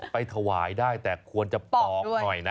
ไปถวายได้แต่ควรจะปอกหน่อยนะ